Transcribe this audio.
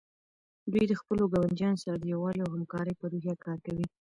دوی د خپلو ګاونډیانو سره د یووالي او همکارۍ په روحیه کار کوي.